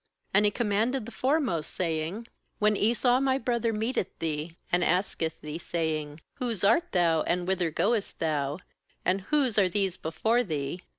18And he com manded the foremost, saying: 'When Esau my brother meeteth thee, and asketh thee, saying: Whose art thou? and whither goest thou? and whose are these before thee?